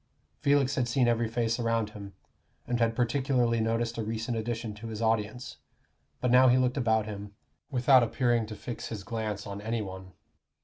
Felix had seen every face around him, and had particularly noticed a recent addition to his audience; but now he looked about him, without appearing to fix his glance on any one.